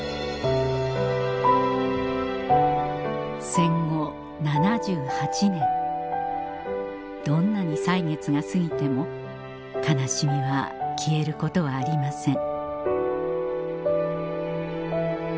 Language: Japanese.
戦後７８年どんなに歳月が過ぎても悲しみは消えることはありません